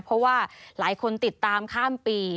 เพราะว่าหลายคนติดตามข้ามปี